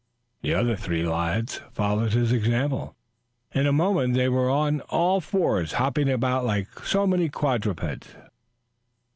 The other three lads followed his example. In a moment they were on all fours, hopping about like so many quadrupeds.